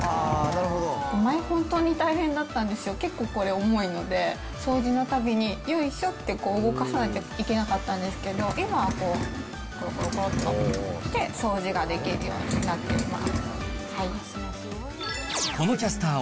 前、本当に大変だったんですよ、結構これ、重いので、掃除のたびに、よいしょって動かさないといけなかったんですけど、今はこう、ころころころっと、こうやって、掃除ができるようになっています。